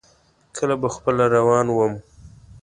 کله به خپله روان ووم.